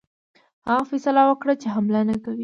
هغه فیصله وکړه چې حمله نه کوي.